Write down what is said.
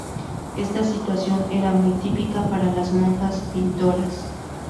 Esta situación era muy típica para las monjas-pintoras.